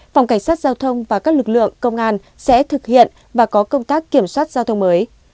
phòng cảnh sát giao thông và các lực lượng công an sẽ thực hiện và có công tác kiểm soát giao thông mới